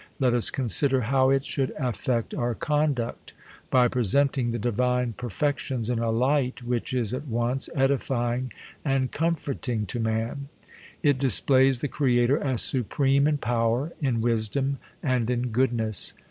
Let us consider how it should affect our conduct, by presenting the divine per fections in a light which is at once edifying and com forting to man. It displays the Creator as supreme in power, in wisdom, and in goodness.